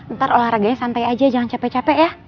ntar olahraganya santai aja jangan capek capek ya